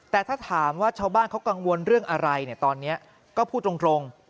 แต่ถ้าถามว่าชาวบ้านเขากังวลเรื่องอะไรเนี่ยตอนนี้ก็พูดตรง